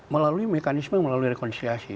melalui mekanisme melalui rekonsiliasi